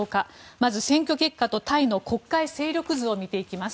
まず選挙結果とタイの国会勢力図を見ていきます。